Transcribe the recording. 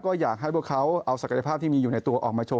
ก็อยากให้พวกเขาเอาศักยภาพที่มีอยู่ในตัวออกมาโว